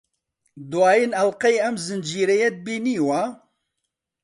دوایین ئەڵقەی ئەم زنجیرەیەت بینیوە؟